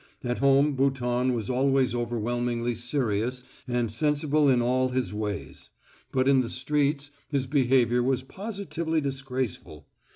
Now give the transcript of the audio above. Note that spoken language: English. At home Bouton was always overwhelmingly serious and sensible in all his ways, but in the streets his behaviour was positively disgraceful.